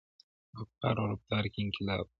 • په افکارو او رفتار کې انقلاب و.